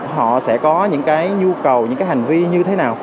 họ sẽ có những cái nhu cầu những cái hành vi như thế nào